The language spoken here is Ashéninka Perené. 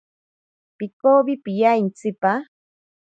Pikowi piya intsipa.